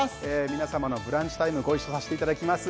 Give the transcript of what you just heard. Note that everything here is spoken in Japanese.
皆様のブランチタイムご一緒させていただきます